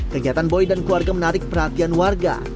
kegiatan boy dan keluarga menarik perhatian warga